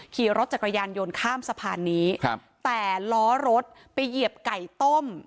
ขี่รถจักรยานยนต์ข้ามสะพานนี้ครับแต่ล้อรถไปเหยียบไก่ต้ม